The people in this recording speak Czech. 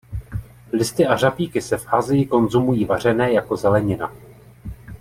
Listy a řapíky se v Asii konzumují vařené jako zelenina.